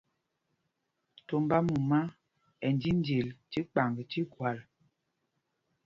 Tombá mumá ɛ ndíndil tí kpaŋg tí gwal.